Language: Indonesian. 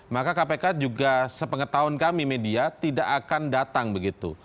maka kpk juga sepengetahuan kami media tidak akan datang begitu